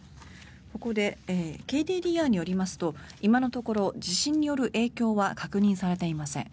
ここでＫＤＤＩによりますと今のところ地震による影響は確認されていません。